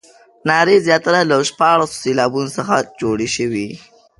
نارې زیاتره له شپاړسو سېلابونو څخه جوړې شوې.